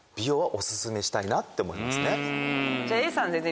したいなって思いますね。